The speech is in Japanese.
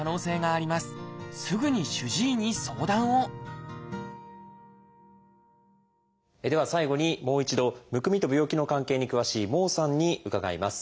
すぐに主治医に相談をでは最後にもう一度むくみと病気の関係に詳しい孟さんに伺います。